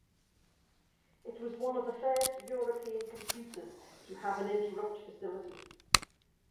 It was one of the first European computers to have an interrupt facility.